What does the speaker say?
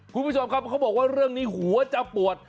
คุณผู้ชมครับเขาบอกว่าเรื่องนี้หัวจะปวด